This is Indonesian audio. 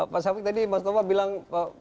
pak syafiq tadi mas toba bilang